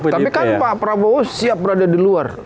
tapi kan pak prabowo siap berada di luar